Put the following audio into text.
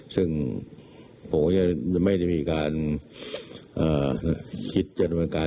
ซึ่งผมจะไม่ได้คิดใช้จัดพันการ